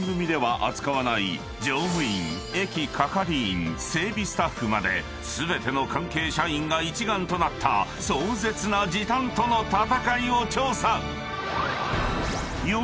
［乗務員駅係員整備スタッフまで全ての関係社員が一丸となった壮絶な時短との闘いを調査］